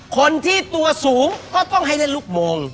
คนที่ตัวสูงก็ต้องให้เล่นลูกโมง